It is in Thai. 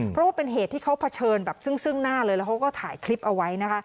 เพราะว่าเป็นเหตุที่เขาเผชิญแบบซึ่งหน้าเลยแล้วเขาก็ถ่ายคลิปเอาไว้นะคะ